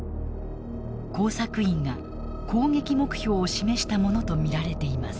工作員が攻撃目標を示したものと見られています。